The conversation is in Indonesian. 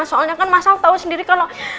soalnya kan mas sal tau sendiri kalau